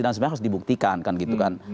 dan sebagainya harus dibuktikan kan gitu kan